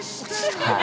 ◆はい。